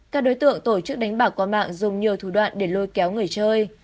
các đối tượng tổ chức đánh bạc qua mạng dùng nhiều thủ đoạn để lôi kéo người chơi